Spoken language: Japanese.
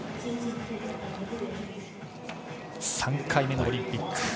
３回目のオリンピック。